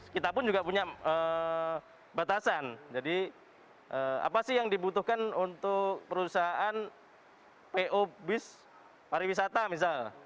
kita pun juga punya batasan jadi apa sih yang dibutuhkan untuk perusahaan po bis pariwisata misal